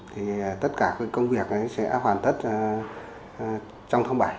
thì tất cả cái công việc sẽ hoàn tất trong tháng bảy